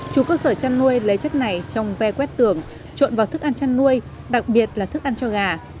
chủ cơ sở chăn nuôi lấy chất này trong ve quét tường trộn vào thức ăn chăn nuôi đặc biệt là thức ăn cho gà